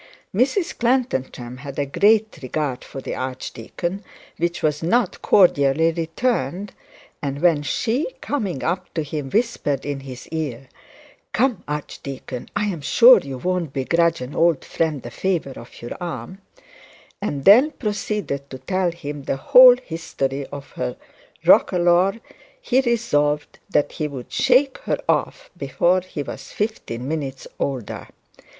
Mrs Clantantram had a great regard for the archdeacon, which was not cordially returned; and when she, coming up to him, whispered in his ear, 'Come, archdeacon, I'm sure you won't begrudge an old friend the favour of your arm,' and then proceeded to tell him the whole history of her roquelaure, he resolved that he would shake her off before he was fifteen minutes older.